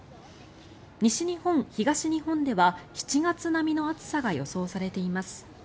西日本、東日本では７月並みの暑さが予想されています。